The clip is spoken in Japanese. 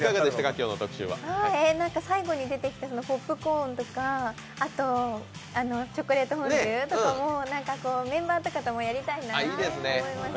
最後に出てきたポップコーンとかあとチョコレートフォンデュもメンバーとかともやりたいなと思いました。